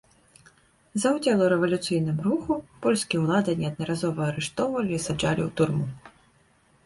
За ўдзел у рэвалюцыйным руху польскія ўлады неаднаразова арыштоўвалі і саджалі ў турму.